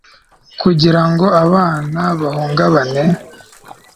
kugira ngo abana bawugabane